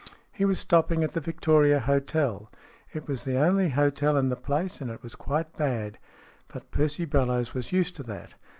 He was stopping at the Victoria Hotel. It was the only hotel in the place, and it was quite bad. But Percy Bellowes was used to that.